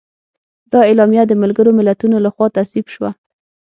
دا اعلامیه د ملګرو ملتونو لخوا تصویب شوه.